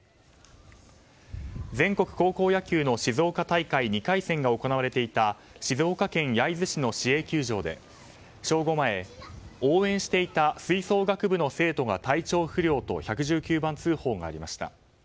全国高等学校野球の静岡大会２回戦が行われていた静岡県焼津市の市営球場で正午前、応援していた吹奏楽部の生徒が体調不良と１１９番通報がありました。